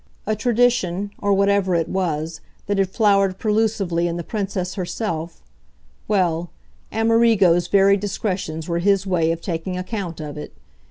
A tradition, or whatever it was, that had flowered prelusively in the Princess herself well, Amerigo's very discretions were his way of taking account of it.